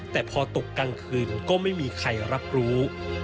แต่พอตกกลางคืนก็ไม่มีใครรับรู้